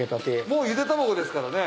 もうゆで卵ですからね。